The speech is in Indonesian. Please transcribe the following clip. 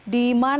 di rumah sakit